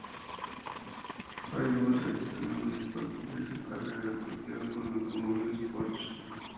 Haywood realizó la mayor parte de su carrera deportiva con automóviles Porsche.